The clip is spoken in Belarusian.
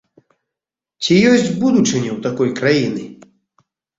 Ці ёсць будучыня ў такой краіны?